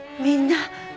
みんな。